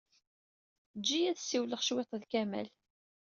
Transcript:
Eǧǧ-iyi ad ssiwleɣ cwiṭ ed Kamal.